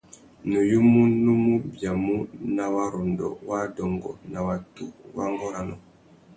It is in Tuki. Nuyumú nú mù biamú nà warrôndô wa adôngô na watu wa ngôranô.